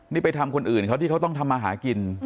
นี่ไปทำคนอื่นเขาที่เขาต้องทำมาหากิน